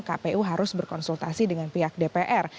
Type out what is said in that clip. kpu harus berkonsultasi dengan pihak dpr